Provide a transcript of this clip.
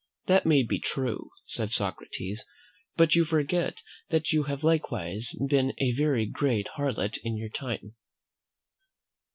"That may be true," said Socrates, "but you forget that you have likewise been a very great harlot in your time."